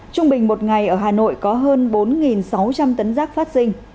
trung bình một ngày ở hà nội có hơn bốn sáu trăm linh tấn rác phát sinh